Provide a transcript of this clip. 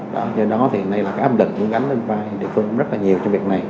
do đó thì hiện nay là áp đựng gánh lên vai địa phương rất là nhiều trong việc này